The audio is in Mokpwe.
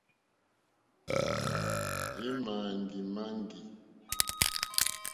Èmàŋɡìmàŋɡì.